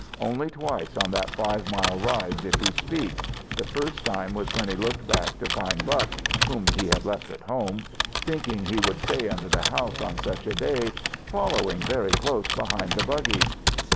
Only twice on that five mile ride did he speak. The first time was when he looked back to find Buck, whom they had left at home, thinking he would stay under the house on such a day, following very close behind the buggy.